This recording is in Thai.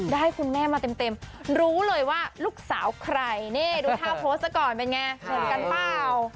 ได้คุณแม่มาเต็มรู้เลยว่าลูกสาวใครนี่ดูท่าโพสต์ซะก่อนเป็นไงเหมือนกันเปล่า